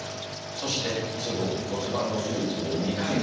そして都合骨盤の手術を２回受けた。